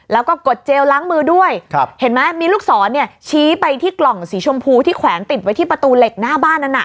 แล้วก็กดเจลล้างมือด้วยครับเห็นไหมมีลูกศรเนี่ยชี้ไปที่กล่องสีชมพูที่แขวนติดไว้ที่ประตูเหล็กหน้าบ้านนั้นน่ะ